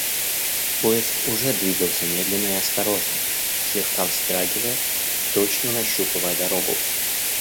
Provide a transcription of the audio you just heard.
Поезд уже двигался медленно и осторожно, слегка вздрагивая и точно нащупывая дорогу.